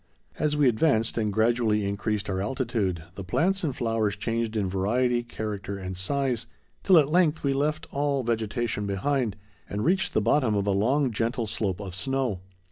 As we advanced, and gradually increased our altitude, the plants and flowers changed in variety, character, and size, till at length we left all vegetation behind, and reached the bottom of a long, gentle slope of snow.